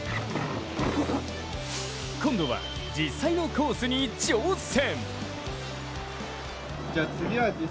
今度は実際のコースに挑戦。